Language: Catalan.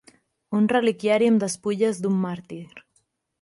Un reliquiari amb despulles d'un màrtir.